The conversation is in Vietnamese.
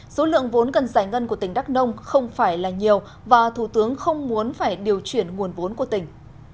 số lượng vốn cần giải ngân của tỉnh đắk nông không phải là nhiều và thủ tướng không muốn phải điều chuyển nguồn vốn của tỉnh